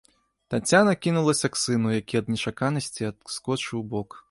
Таццяна кінулася к сыну, які ад нечаканасці адскочыў убок.